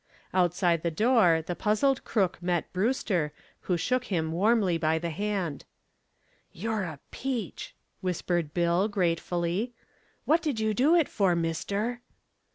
Outside the door the puzzled crook met Brewster, who shook him warmly by the hand. "You're a peach," whispered Bill, gratefully "What did you do it for, mister?"